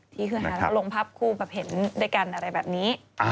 ที่คือหาแล้วก็ลงภาพคู่แบบเห็นด้วยกันอะไรแบบนี้